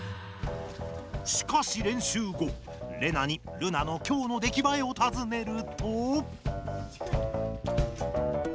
しかし練習後レナにルナの今日のできばえをたずねると。